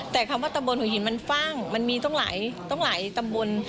แต่คำว่าตำบลหัวหินมันฟ่างมันมีต้องหลายตำบล